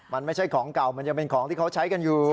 มันไม่ใช่ของเก่ามันยังเป็นของที่เขาใช้กันอยู่